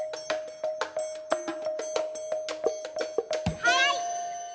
はい！